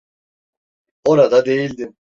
Orada değildim.